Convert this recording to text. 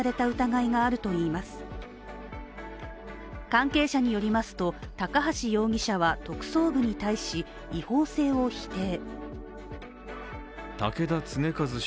関係者によりますと高橋容疑者は特捜部に対し、違法性を否定。